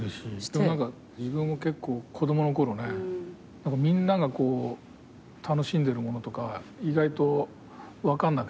でも何か自分も結構子供の頃ねみんながこう楽しんでるものとか意外と分かんなくて。